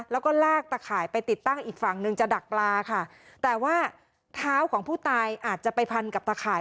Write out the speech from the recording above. แล้วก็ลากตะข่ายไปติดตั้งอีกฝั่งหนึ่งจะดักปลาค่ะแต่ว่าเท้าของผู้ตายอาจจะไปพันกับตะข่าย